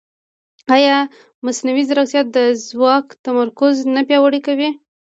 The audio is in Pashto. ایا مصنوعي ځیرکتیا د ځواک تمرکز نه پیاوړی کوي؟